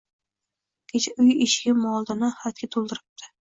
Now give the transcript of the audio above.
Kecha uy eshigim oldini axlatga to`ldiribdi